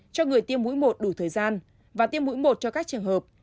cho người tiêm mũi một đủ thời gian và tiêm mũi một cho các trường hợp